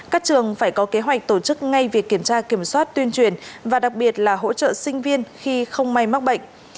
các trường phải có kế hoạch tổ chức ngay việc kiểm tra kiểm soát tuyên truyền và đặc biệt là hỗ trợ sinh viên khi không may mắc bệnh